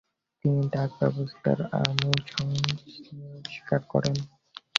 তিনি ডাক ব্যবস্থারও আমূল সংস্কার করেন।